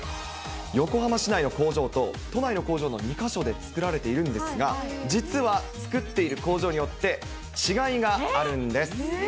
横浜市内の工場と都内の工場の２か所で作られているんですが、実は作っている工場によって、違いがあるんです。